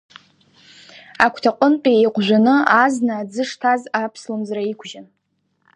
Агәҭаҟынтәи иеиҟәжәаны азна аӡы шҭаз аԥслымӡра иқәжьын.